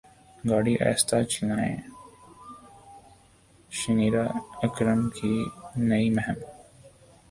گاڑی اہستہ چلائیں شنیرا اکرم کی نئی مہم